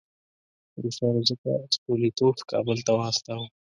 روسانو ځکه ستولیتوف کابل ته واستاوه.